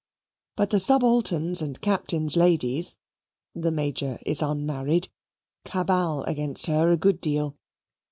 But the Subalterns' and Captains' ladies (the Major is unmarried) cabal against her a good deal.